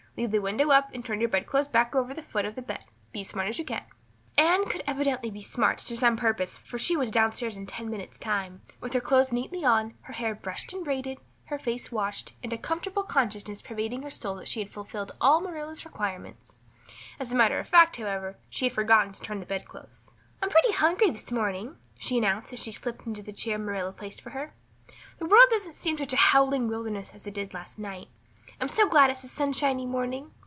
Leave the window up and turn your bedclothes back over the foot of the bed. Be as smart as you can." Anne could evidently be smart to some purpose for she was down stairs in ten minutes' time, with her clothes neatly on, her hair brushed and braided, her face washed, and a comfortable consciousness pervading her soul that she had fulfilled all Marilla's requirements. As a matter of fact, however, she had forgotten to turn back the bedclothes. "I'm pretty hungry this morning," she announced as she slipped into the chair Marilla placed for her. "The world doesn't seem such a howling wilderness as it did last night. I'm so glad it's a sunshiny morning.